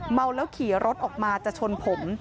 เมาแล้วขี่รถออกมาจะชนผม